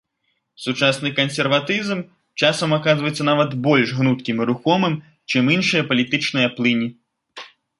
Сучасны кансерватызм часам аказваецца нават больш гнуткім і рухомым, чым іншыя палітычныя плыні.